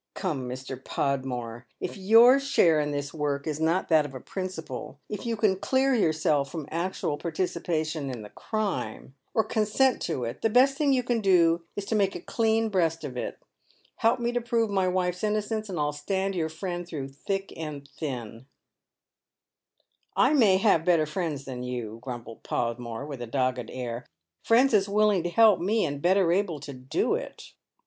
Come, Mr. Podmore, if your share in this work is not that of a principal, if you can clear yourself from actual participation in the crime, or consent to it, the best thing you can do is to make a clean breast of it. Help me to prove my wife's innocence, and I'll stand your friend through thick and thin." "I may have better friends than you," grumbles Podmore, with a dogged air, — "friends as willing to help me, and better able to do it."